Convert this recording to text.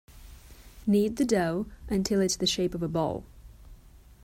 Knead the dough until it is the shape of a ball.